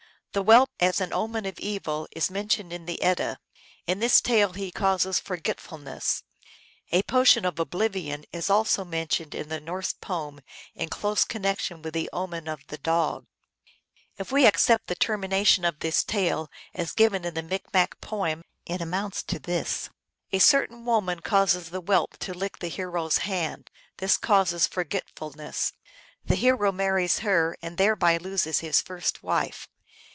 The whelp, as an omen of evil, is mentioned in the Edda. In this tale he causes forgetfulness. A potion of oblivion is also mentioned in the Norse poem in close connection with the omen of the dog. If we accept the termination of this tale as given in the Micmac poem it amounts to this : A certain woman causes the whelp to lick the hero s hand. 21 322 THE ALGONQUIN LEGENDS. This causes forgetfulness. The hero marries her, and thereby loses his first wife.